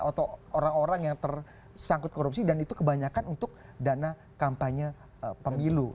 atau orang orang yang tersangkut korupsi dan itu kebanyakan untuk dana kampanye pemilu